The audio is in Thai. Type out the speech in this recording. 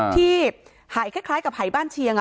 ที่หายคล้ายกับหายบ้านเชียง